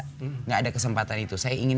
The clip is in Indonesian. tidak ada kesempatan itu saya ingin